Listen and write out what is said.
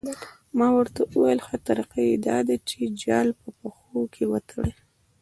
ما ورته وویل ښه طریقه یې دا ده چې جال په پښو کې وتړي.